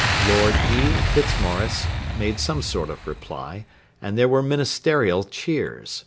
Lord E. Fitzmaurice made some sort of reply, and there were Ministerial cheers.